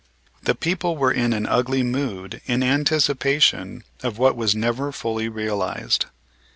The people were in an ugly mood in anticipation of what was never fully realized.